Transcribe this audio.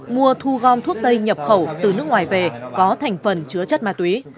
mua thu gom thuốc tây nhập khẩu từ nước ngoài về có thành phần chứa chất ma túy